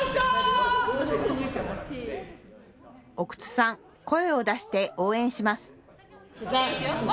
奥津さん、声を出して応援します。